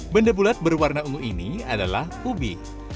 benda bulat berwarna ungu ini adalah ubi